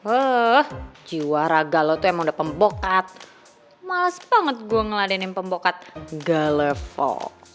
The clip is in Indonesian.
eh jiwa raga lu emang udah pembokat males banget gua ngeladenin pembokat galepo